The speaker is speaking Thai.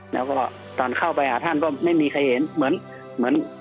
แล้วก็ตอนเข้าไปหาท่านก็ไม่มีใครเห็นเหมือน